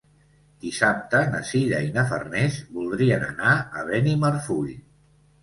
Dissabte na Sira i na Farners voldrien anar a Benimarfull.